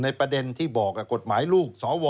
ประเด็นที่บอกกฎหมายลูกสว